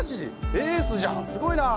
エースじゃんすごいなぁ！